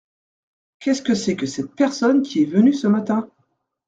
Qu’est-ce que c’est que cette personne qui est venue ce matin ?…